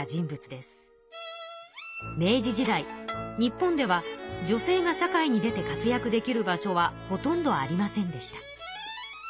明治時代日本では女性が社会に出て活躍できる場所はほとんどありませんでした。